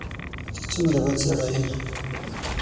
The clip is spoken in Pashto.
ته څومره بد سړی یې !